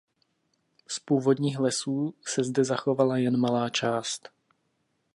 Z původních lesů se zde zachovala jen malá část.